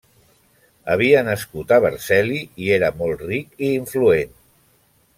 Havia nascut a Vercelli i era molt ric i influent.